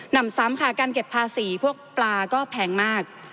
นำซ้ำค่ะการเก็บภาษีพวกปลาก็แพงมาก